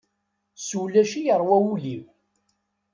S ulac i yeṛwa wul-iw.